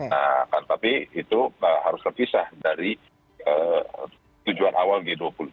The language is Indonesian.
nah tapi itu harus terpisah dari tujuan awal g dua puluh